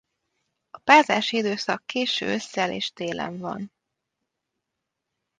A párzási időszak késő ősszel és télen van.